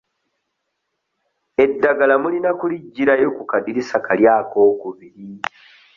Eddagala mulina kuliggyirayo ku kaddirisa kali akookubiri.